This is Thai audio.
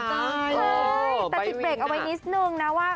แต่จิ๊กเบรกเอาไว้นิดนึงนะว่า